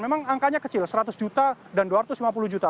memang angkanya kecil seratus juta dan dua ratus lima puluh juta